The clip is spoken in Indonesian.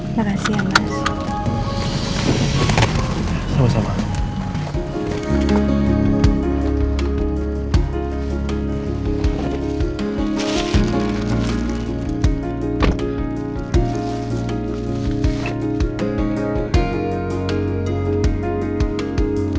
terima kasih ya mas